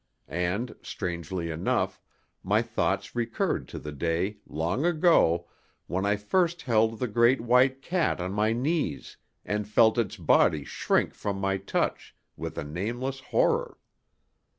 And, strangely enough, my thoughts recurred to the day, long ago, when I first held the great white cat on my knees, and felt its body shrink from my touch with a nameless horror.